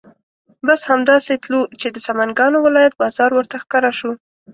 بس همدا سې تلو چې د سمنګانو ولایت بازار ورته ښکاره شو.